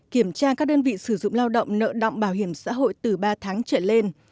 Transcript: kiểm tra các đơn vị sử dụng lao động nợ động bảo hiểm xã hội từ ba tháng trở lên